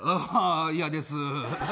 嫌です。